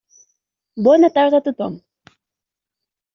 Bona tarda a tothom.